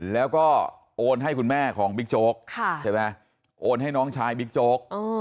แล้วก็โอนให้คุณแม่ของบิ๊กโจ๊กใช่ไหมโอนให้น้องชายบิ๊กโจ๊ก